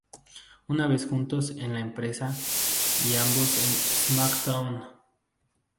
Una vez juntos en la empresa y ambos en "SmackDown!